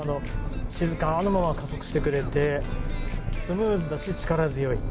静かなまま加速してくれてスムーズだし、力強い。